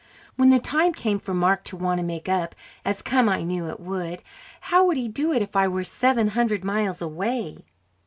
When the time came for Mark to want to make up as come I knew it would how could he do it if I were seven hundred miles away?